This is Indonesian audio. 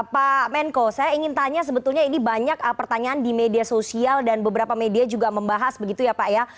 pak menko saya ingin tanya sebetulnya ini banyak pertanyaan di media sosial dan beberapa media juga membahas begitu ya pak ya